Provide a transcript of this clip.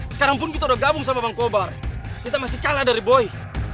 sekarang pun kita udah gabung sama bang kobar kita masih kalah dari boy